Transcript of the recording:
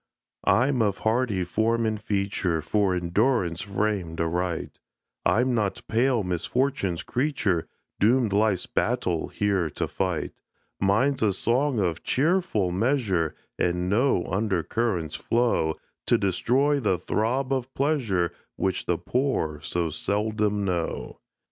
I'm of hardy form and feature, For endurance framed aright; I'm not pale misfortune's creature, Doomed life's battle here to fight: Mine's a song of cheerful measure, And no under currents flow To destroy the throb of pleasure Which the poor so seldom know.